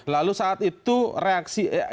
lalu saat itu reaksinya